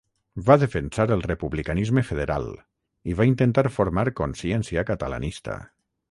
Va defensar el republicanisme federal i va intentar formar consciència catalanista.